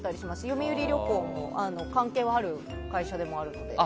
読売旅行も関係はある会社でもあるので。